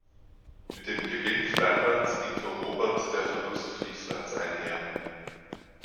Mit dem Gewinn Flanderns ging für Robert der Verlust Frieslands einher.